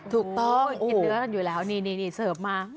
ถูกต้องกินเนื้อกันอยู่แล้วนี่เสิร์ฟมา